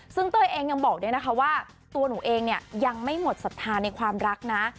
ซึ่งเต้ยเองยังบอกด้วยนะคะว่าตัวหนูเองเนี่ยยังไม่หมดศรัทธาในความรักนะ